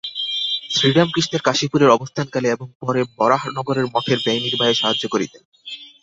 শ্রীরামকৃষ্ণের কাশীপুরে অবস্থানকালে এবং পরে বরাহনগর মঠের ব্যয়নির্বাহে সাহায্য করিতেন।